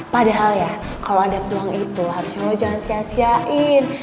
padahal ya kalau ada peluang itu harusnya lo jangan sia siain